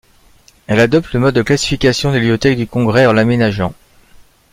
Elle adopte le mode de classification de la Bibliothèque du Congrès en l’aménageant.